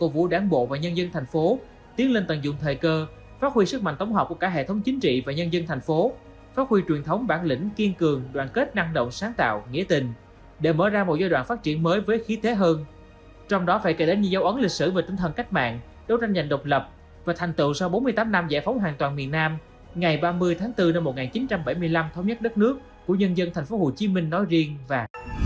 và thành tựu sau bốn mươi tám năm giải phóng hoàn toàn miền nam ngày ba mươi tháng bốn năm một nghìn chín trăm bảy mươi năm thống nhất đất nước của nhân dân tp hcm nói riêng và